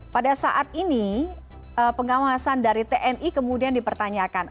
pada saat ini pengawasan dari tni kemudian dipertanyakan